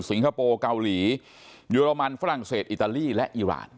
คโปร์เกาหลีเยอรมันฝรั่งเศสอิตาลีและอิราณ